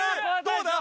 どうだ？